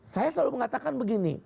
saya selalu mengatakan begini